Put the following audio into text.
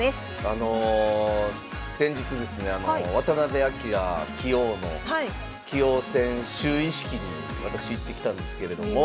あの先日ですね渡辺明棋王の棋王戦就位式に私行ってきたんですけれども。